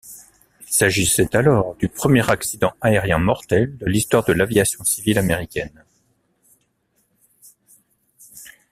Il s'agissait alors du premier accident aérien mortel de l'histoire de l'aviation civile américaine.